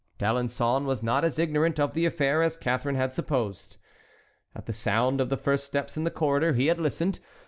D'Alençon was not as ignorant of the affair as Catharine supposed. At the sound of the first steps in the corridor he had listened.